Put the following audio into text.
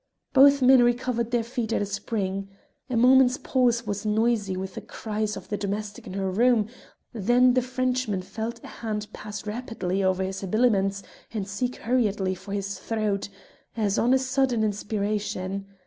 Both men recovered their feet at a spring. A moment's pause was noisy with the cries of the domestic in her room, then the Frenchman felt a hand pass rapidly over his habiliments and seek hurriedly for his throat, as on a sudden inspiration.